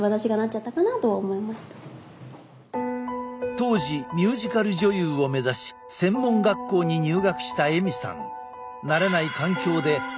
当時ミュージカル女優を目指し専門学校に入学したエミさん。